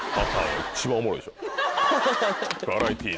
バラエティーで。